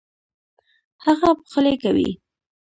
هغه پخلی کوي